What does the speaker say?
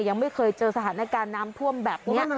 ยังไม่เคยเจอสถานการณ์น้ำท่วมแบบนี้